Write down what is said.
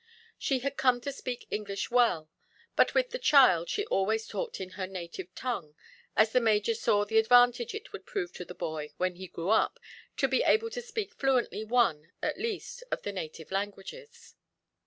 She had come to speak English well; but with the child she always talked in her native tongue, as the major saw the advantage it would prove to the boy, when he grew up, to be able to speak fluently one, at least, of the native languages.